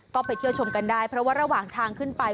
ก็ไปเที่ยวชมกันได้เพราะว่าระหว่างทางขึ้นไป